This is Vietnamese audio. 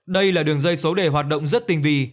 đây là đường dây số đề hoạt động rất tinh vị